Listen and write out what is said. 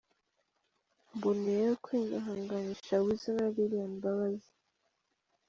Mboneyeho kwihanganisha Weasel na Lilian Mbabazi.